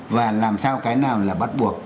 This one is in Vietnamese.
và làm sao cái nào là bắt buộc